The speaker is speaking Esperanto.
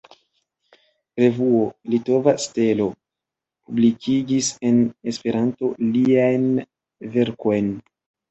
Revuo „Litova Stelo“ publikigis en Esperanto liajn verkojn:.